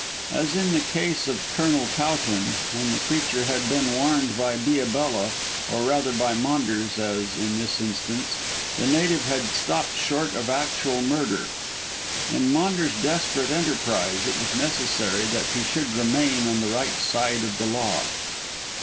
As in the case of Colonel Towton, when the creature had been warned by Diabella, or, rather, by Maunders, as in this instance, the native had stopped short of actual murder. In Maunders' desperate enterprise it was necessary that he should remain on the right side of the law.